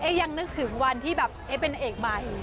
ยังนึกถึงวันที่แบบเอ๊ะเป็นเอกใหม่